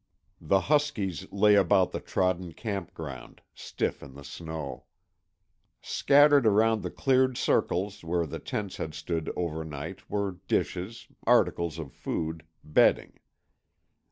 The huskies lay about the trodden campground, stiff in the snow. Scattered around the cleared circles where the tents had stood overnight were dishes, articles of food, bedding.